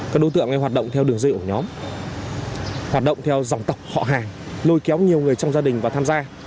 các đối tượng hoạt động theo đường dây ổ nhóm hoạt động theo dòng tộc họ hàng lôi kéo nhiều người trong gia đình và tham gia